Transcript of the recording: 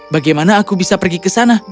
bagaimana aku bisa pergi ke sana